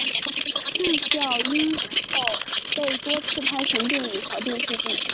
啼笑因缘后被多次拍成电影和电视剧。